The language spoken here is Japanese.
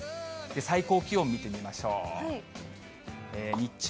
最高気温見てみましょう。